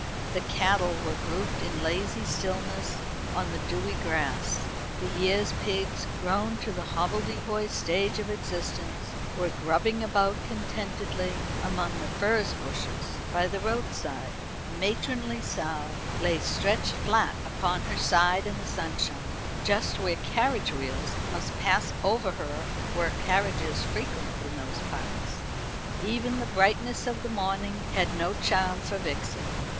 The cattle were grouped in lazy stillness on the dewy grass; the year's pigs, grown to the hobbledehoy stage of existence, were grubbing about contentedly among the furze bushes; by the roadside, a matronly sow lay stretched flat upon her side in the sunshine, just where carriage wheels must pass over her were carriages frequent in those parts. Even the brightness of the morning had no charm for Vixen.